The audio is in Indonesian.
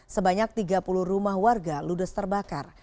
sebanyak tiga puluh rumah warga ludes terbakar